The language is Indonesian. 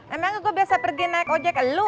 emang gue biasa pergi naik ojek elu